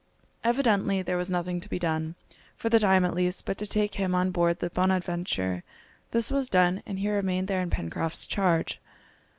Evidently there was nothing to be done, for the time at least, but to take him on board the Bonadventure. This was done, and he remained there in Pencroft's charge.